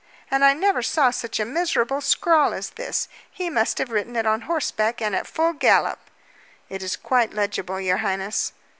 "And I never saw such a miserable scrawl as this. He must have written it on horseback and at full gallop." "It is quite legible, your highness."